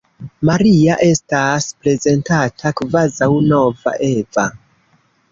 Maria estas prezentata kvazaŭ nova Eva.